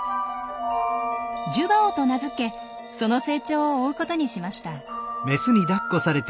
「ジュバオ」と名付けその成長を追うことにしました。